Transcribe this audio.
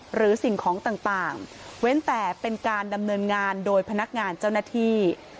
สิ่งของต่างเว้นแต่เป็นการดำเนินงานโดยพนักงานเจ้าหน้าที่